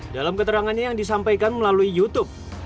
dalam keterangannya yang disampaikan melalui youtube